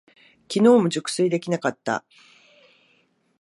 きのうも熟睡できなかった。